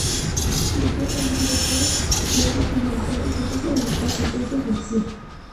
El juez deberá de todos modos finalizar el proceso y dictar sentencia judicial.